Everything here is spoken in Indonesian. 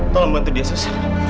tolong bantu dia sus